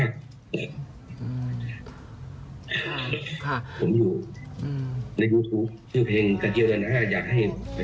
ค่ะค่ะ